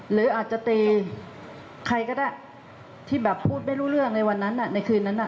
หรืออาจจะตีใครก็ได้ที่แบบพูดไม่รู้เรื่องในวันนั้นในคืนนั้น